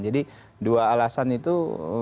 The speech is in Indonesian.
jadi dua alasan itu menyebabkan